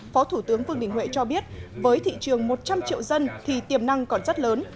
phó thủ tướng vương đình huệ cho biết với thị trường một trăm linh triệu dân thì tiềm năng còn rất lớn